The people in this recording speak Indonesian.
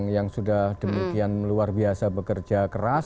yang sudah demikian luar biasa bekerja keras